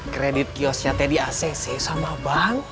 kredit kiosnya tadi acc sama bank